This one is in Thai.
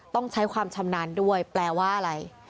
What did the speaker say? ต้องใช้ความชำนาญด้วยแปลว่าอะไร